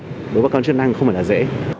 đối với các con chức năng không phải là dễ